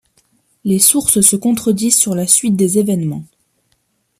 Les sources se contredisent sur la suite des événements.